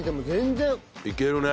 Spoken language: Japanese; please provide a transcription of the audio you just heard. いけるね。